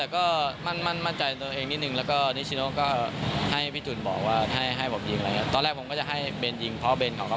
ค่ะเกิดดันนิดนึงครับแต่ก็มั่นมั่นใจตัวเองนิดนึง